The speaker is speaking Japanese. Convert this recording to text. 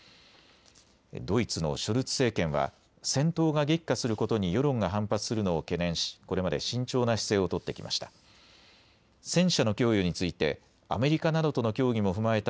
ドイツのショルツ政権は戦闘が激化することに世論が反発するのを懸念しこれまで慎重な姿勢を取ってきました。